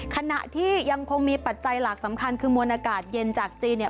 ขณะที่ยังคงมีปัจจัยหลักสำคัญคือมวลอากาศเย็นจากจีนเนี่ย